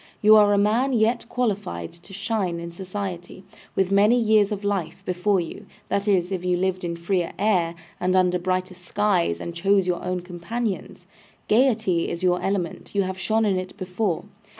You are a man yet qualified to shine in society, with many years of life before you; that is, if you lived in freer air, and under brighter skies, and chose your own companions. Gaiety is your element, you have shone in it before.